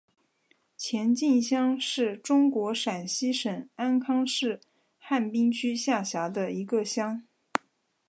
前进乡是中国陕西省安康市汉滨区下辖的一个乡。